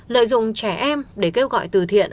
lợi dụng trẻ em để kêu gọi từ thiện